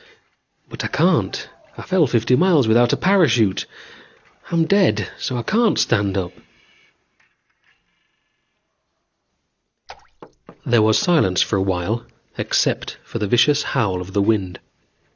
But I can't. I fell fifty miles without a parachute. I'm dead so I can't stand up." There was silence for a while except for the vicious howl of the wind.